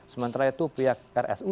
sementara itu pihak rsud menunggu